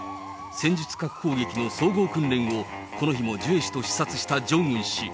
戦術核攻撃の総合訓練を、この日もジュエ氏と視察したジョンウン氏。